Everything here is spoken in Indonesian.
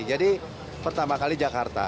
jadi pertama kali jakarta